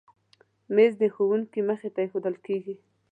مېز د ښوونکي مخې ته ایښودل کېږي.